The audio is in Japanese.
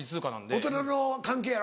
大人の関係やろ？